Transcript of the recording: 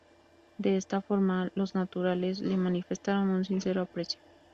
De esta forma, los naturales le manifestaron un sincero aprecio.